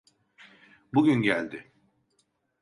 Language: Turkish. Bugün geldi.